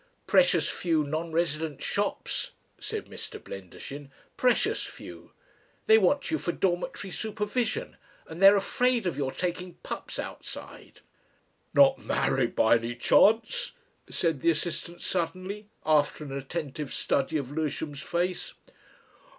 "Precious few non resident shops," said Mr. Blendershin. "Precious few. They want you for dormitory supervision and they're afraid of your taking pups outside." "Not married by any chance?" said the assistant suddenly, after an attentive study of Lewisham's face.